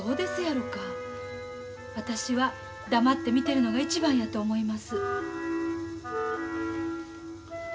私は黙って見てるのが一番やと思います。